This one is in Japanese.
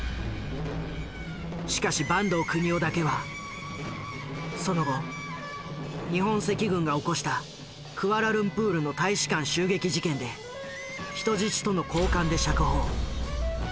しかし坂東國男だけはその後日本赤軍が起こしたクアラルンプールの大使館襲撃事件で人質との交換で釈放。